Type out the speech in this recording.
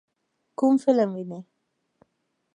کوم فلم وینئ؟